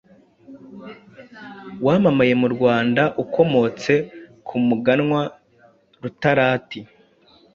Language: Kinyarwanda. Wamamaye mu Rwanda ukomotse ku muganwa Rutarati